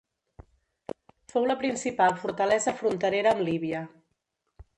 Fou la principal fortalesa fronterera amb Líbia.